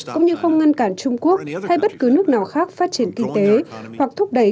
cũng như không ngăn cản trung quốc hay bất cứ nước nào khác phát triển kinh tế hoặc thúc đẩy